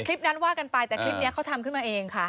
คลิปนั้นว่ากันไปแต่คลิปนี้เขาทำขึ้นมาเองค่ะ